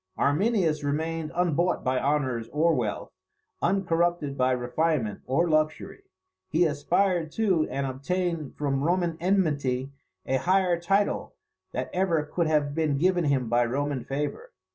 Arminius remained unbought by honours or wealth, uncorrupted by refinement or luxury. He aspired to and obtained from Roman enmity a higher title than ever could have been given him by Roman favour.